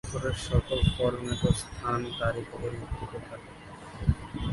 সফরের সকল ফরম্যাট, স্থান ও তারিখ অপরিবর্তিত থাকে।